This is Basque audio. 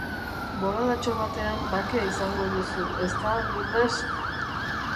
Boladatxo batean bakea izango duzu, ezta, Lourdes?